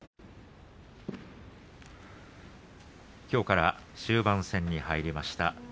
きょうから終盤戦に入りました